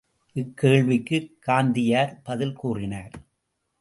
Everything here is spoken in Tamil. இக்கேள்விக்குக் காந்தியார் பதில் கூறினார்.